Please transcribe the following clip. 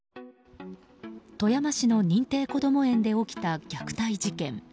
富山市の認定こども園で起きた虐待事件。